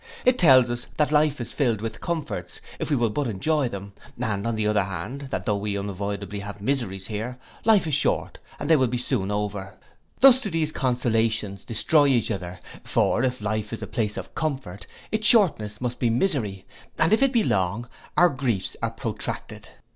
It tells us that life is filled with comforts, if we will but enjoy them; and on the other hand, that though we unavoidably have miseries here, life is short, and they will soon be over. Thus do these consolations destroy each other; for if life is a place of comfort, its shortness must be misery, and if it be long, our griefs are protracted.